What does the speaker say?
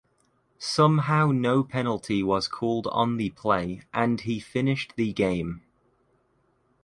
Somehow no penalty was called on the play and he finished the game.